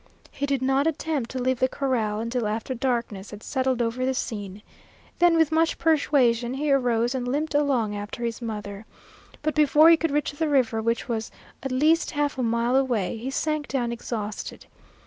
He did not attempt to leave the corral until after darkness had settled over the scene. Then with much persuasion he arose and limped along after his mother. But before he could reach the river, which was at least half a mile away, he sank down exhausted.